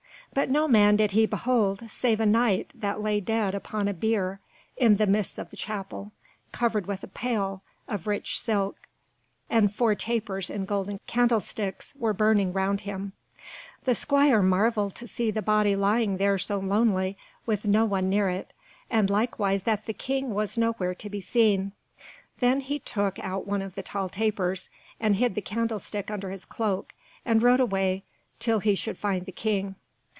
But no man did he behold save a Knight that lay dead upon a bier in the midst of the chapel, covered with a pall of rich silk, and four tapers in golden candlesticks were burning round him. The squire marvelled to see the body lying there so lonely, with no one near it, and likewise that the King was nowhere to be seen. Then he took out one of the tall tapers, and hid the candlestick under his cloak, and rode away until he should find the King.